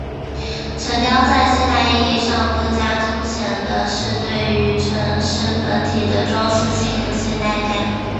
城雕在现代意义上更加凸显的是对于城市本体的装饰性和现代感。